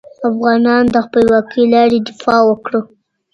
افغانانو د خپلواکې لارې دفاع وکړه.